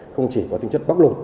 không chỉ có tính chất bấp lụt